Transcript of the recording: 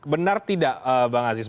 benar tidak bang aziz